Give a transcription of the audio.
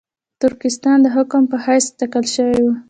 ترکستان د حاکم په حیث ټاکل شوی وو.